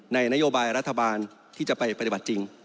นโยบายรัฐบาลที่จะไปปฏิบัติจริง